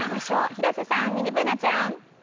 広瀬さん、ミニＢｏｏｎａちゃん。